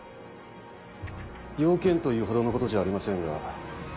用件という程のことじゃありませんが。